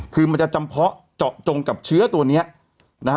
คือมันจะจำเพาะเจาะจงกับเชื้อตัวนี้นะฮะ